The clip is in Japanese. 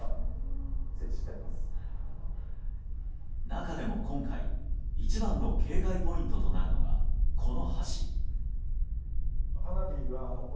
中でも今回、一番の警戒ポイントとなるのがこの橋。